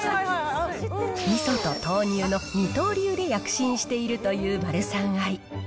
みそと豆乳の二刀流で躍進しているというマルサンアイ。